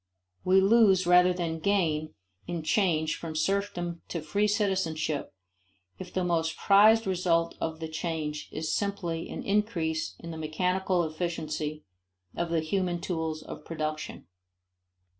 We lose rather than gain in change from serfdom to free citizenship if the most prized result of the change is simply an increase in the mechanical efficiency of the human tools of production.